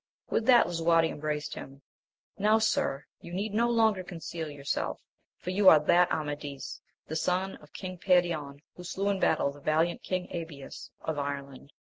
With that Lisuarte embraced him, — Now, dr, you need no longer conceal yourself, for you are that Amadis, the son of King Perion, who slew in battle the valiant King Abies of Ireland.